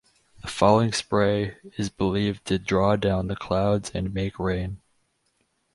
The falling spray is believed to draw down the clouds and make rain.